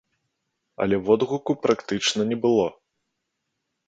Але водгуку практычна не было.